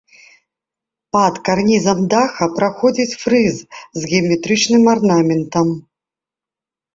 Пад карнізам даха праходзіць фрыз з геаметрычным арнаментам.